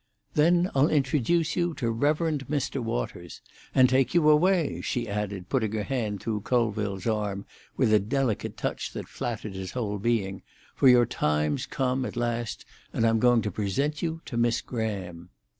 "Then I'll introduce you to Rev. Mr. Waters. And take you away," she added, putting her hand through Colville's arm with a delicate touch that flattered his whole being, "for your time's come at last, and I'm going to present you to Miss Graham."